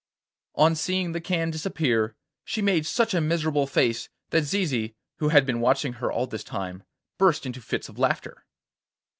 On seeing the can disappear, she made such a miserable face that Zizi, who had been watching her all this time, burst into fits of laughter.